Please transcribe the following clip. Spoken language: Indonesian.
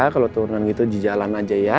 kalau turunan gitu di jalan aja ya